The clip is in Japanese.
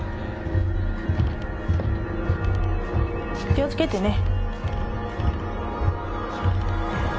気をつけてね。